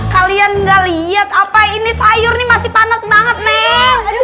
kalian gak lihat apa ini sayur ini masih panas banget nih